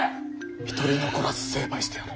一人残らず成敗してやる。